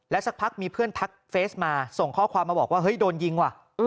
สักพักมีเพื่อนทักเฟสมาส่งข้อความมาบอกว่าเฮ้ยโดนยิงว่ะ